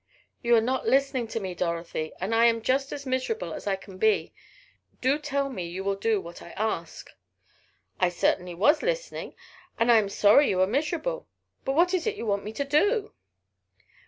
"You are not listening to me, Dorothy, and I am just as miserable as I can be. Do tell me you will do what I ask." "I certainly was listening, and I am sorry you are miserable. But what is it you want me to do?"